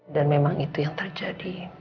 memang itu yang terjadi